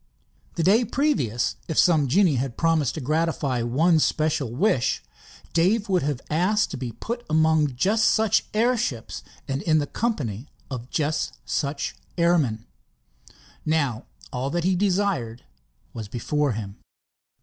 The day previous, if some genii had promised to gratify one special wish, Dave would have asked to be put among just such airships and in the company of just such airmen. Now all that he had desired was before him.